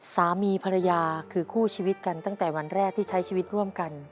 สามีภรรยาคือคู่ชีวิตกันตั้งแต่วันแรกที่ใช้ชีวิตร่วมกัน